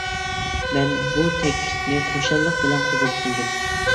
مەن بۇ تەكلىپنى خۇشاللىق بىلەن قوبۇل قىلدىم.